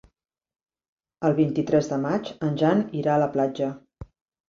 El vint-i-tres de maig en Jan irà a la platja.